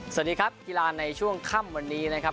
สวัสดีครับกีฬาในช่วงค่ำวันนี้นะครับ